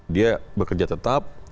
dia bekerja tetap